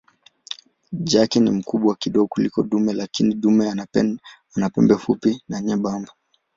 Jike ni mkubwa kidogo kuliko dume lakini dume ana pembe fupi na nyembamba.